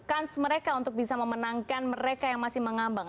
kans mereka untuk bisa memenangkan mereka yang masih mengambang